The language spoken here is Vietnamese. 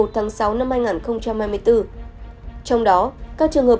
trong đó các trường hợp